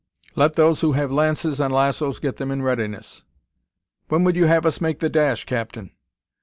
Let those who have lances and lassoes get them in readiness." "When would you have us make the dash, captain?"